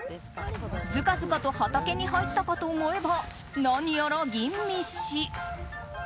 ずかずかと畑に入ったかと思えば何やら吟味し。